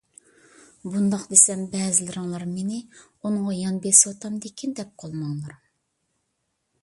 بۇنداق دېسەم بەزىلىرىڭلار مېنى ئۇنىڭغا يان بېسىۋاتامدىكىن دەپ قالماڭلار.